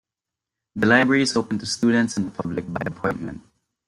The library is open to students and the public by appointment.